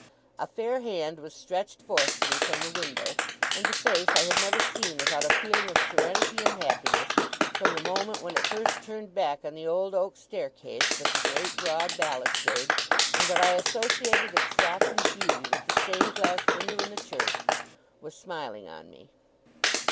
A fair hand was stretched forth to me from the window; and the face I had never seen without a feeling of serenity and happiness, from the moment when it first turned back on the old oak staircase with the great broad balustrade, and when I associated its softened beauty with the stained glass window in the church, was smiling on me.